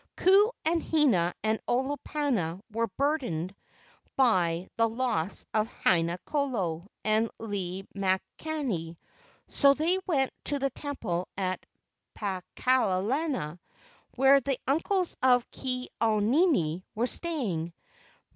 Ku and Hina and Olopana were burdened by the loss of Haina kolo and Lei makani, so they went to the temple at Pakaalana, where the uncles of Ke au nini were staying.